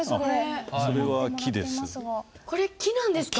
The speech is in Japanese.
それは木です。